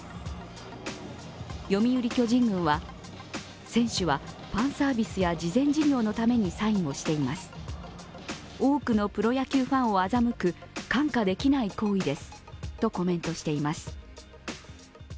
読売巨人軍は、選手はファンサービスや慈善事業のためにサインをしています、多くのプロ野球ファンをあざむく看過できない行為ですとコメントしています。